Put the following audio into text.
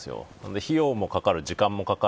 費用もかかる、時間もかかる。